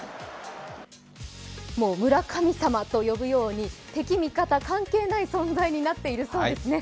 村神様と呼ぶように敵味方関係ない存在になっているそうですね。